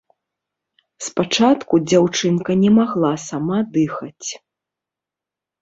Спачатку дзяўчынка не магла сама дыхаць.